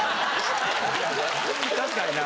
確かにな。